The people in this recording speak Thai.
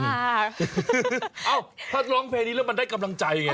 เอ้าถ้าร้องเพลงนี้แล้วมันได้กำลังใจไง